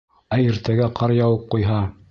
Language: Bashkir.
Ә иртәгә ҡар яуып ҡуйһа?